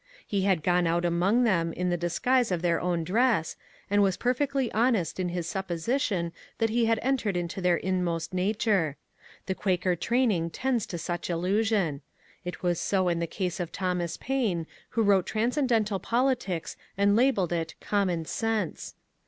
He had gone about among them in the disguise of their own dress, and was perfectly honest in his supposition that he had entered into their inmost nature. The Quaker training tends to such illusion ; it was ^ so in the case of Thomas Paine, who wrote transcendental poli j tics and labelled it Common Sense."